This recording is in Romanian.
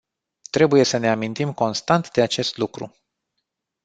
Trebuie să ne amintim constant de acest lucru.